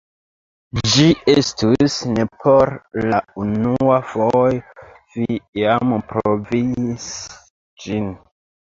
Ĝi estus ne por la unua fojo, vi jam provis ĝin!